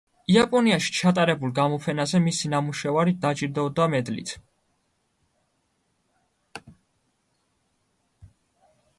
იაპონიაში ჩატარებულ გამოფენაზე მისი ნამუშევარი დაჯილდოვდა მედლით.